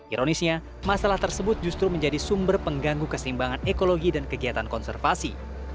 ironisnya masalah tersebut justru menjadi sumber pengganggu keseimbangan ekologi dan kegiatan konservasi